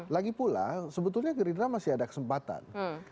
lagi pula sebetulnya gerindra masih ada kesempatan